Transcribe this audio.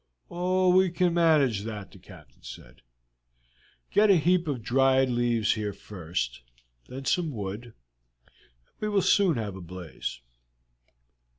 "Oh, we can manage that!" the Captain said. "Get a heap of dried leaves here first, then some wood, and we will soon have a blaze."